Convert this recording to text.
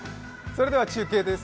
それでは中継です。